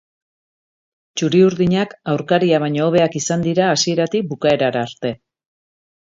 Txuriurdinak aurkaria baino hobeak izan dira hasieratik bukaerara arte.